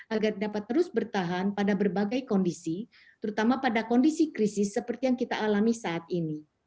agar dapat terus bertahan pada berbagai kondisi terutama pada kondisi krisis seperti yang kita alami saat ini